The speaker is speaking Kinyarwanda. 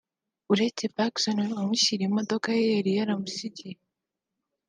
uretse Pacson wamushyiriye imodoka ye yari yaramusigiye